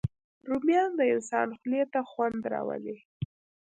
رومیان د انسان خولې ته خوند راولي